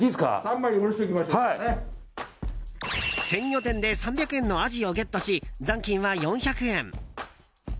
鮮魚店で３００円のアジをゲットし残金は４００円。